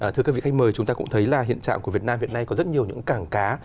thưa các vị khách mời chúng ta cũng thấy là hiện trạng của việt nam hiện nay có rất nhiều những cảng cá